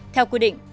theo quy định